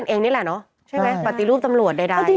นี่แหละใช่ไหมปรติรูปตำรวจใดดาย